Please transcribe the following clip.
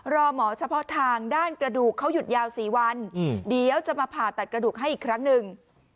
รอหมอเฉพาะทางด้านกระดูกเขาหยุดยาว๔วันเดี๋ยวจะมาผ่าตัดกระดูกให้อีกครั้งหนึ่ง